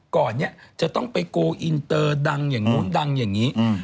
ก่อนเนี่ยจะต้องไปโกลอินเตอร์ดังอย่างนู้นดังอย่างนี้